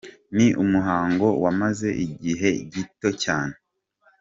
Ni umuhango wamaze igihe gito cyane.